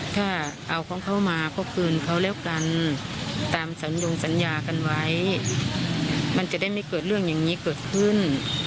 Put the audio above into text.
ถ้าเอาของเขามาก็คืนเขาแล้วกันตามสัญญงสัญญากันไว้มันจะได้ไม่เกิดเรื่องอย่างนี้เกิดขึ้น